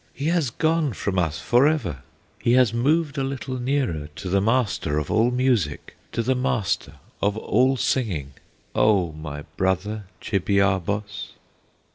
He has gone from us forever, He has moved a little nearer To the Master of all music, To the Master of all singing! O my brother, Chibiabos!"